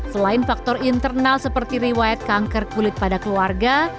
selain faktor internal seperti riwayat kanker kulit pada keluarga